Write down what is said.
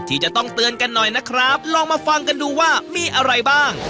ที่จะต้องเตือนกันหน่อยนะครับลองมาฟังกันดูว่ามีอะไรบ้าง